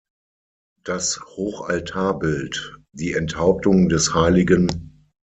Das Hochaltarbild, die Enthauptung des Hl.